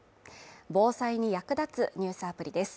防災に役立つニュースアプリです。